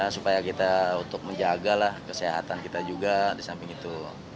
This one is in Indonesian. supaya kita untuk menjaga lah kesehatan kita juga di samping itu